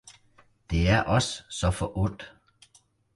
Det er os så forundt